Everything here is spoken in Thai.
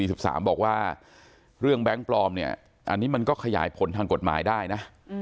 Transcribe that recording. บอกว่าเรื่องแบงค์ปลอมเนี่ยอันนี้มันก็ขยายผลทางกฎหมายได้นะ